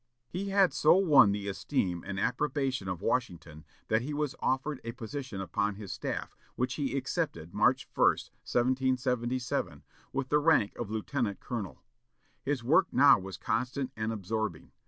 He had so won the esteem and approbation of Washington that he was offered a position upon his staff, which he accepted March 1, 1777, with the rank of lieutenant colonel. His work now was constant and absorbing.